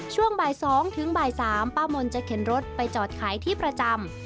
ช่วงบ่าย๒ถึงบ่าย๓ป้ามนจะเข็นรถไปจอดขายที่ประจำ